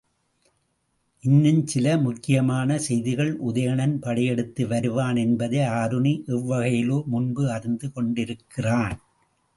இன்னும் சில முக்கியமான செய்திகள் உதயணன் படையெடுத்து வருவான் என்பதை ஆருணி எவ்வகையிலோ முன்பே அறிந்து கொண்டிருக்கிறான்.